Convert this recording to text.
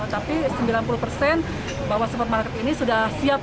tapi sembilan puluh persen bahwa supermarket ini sudah siap